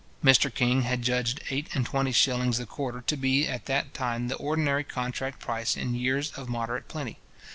Mr King had judged eight and twenty shillings the quarter to be at that time the ordinary contract price in years of moderate plenty.